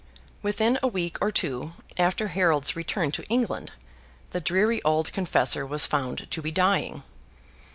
Within a week or two after Harold's return to England, the dreary old Confessor was found to be dying.